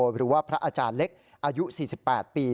หรือว่าพระอาจารย์เล็กอายุ๔๘ปี